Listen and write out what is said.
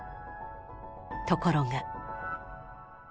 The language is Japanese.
ところが。